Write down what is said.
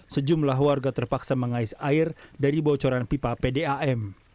sejumlah warga terpaksa mengais air dari bocoran pipa pdam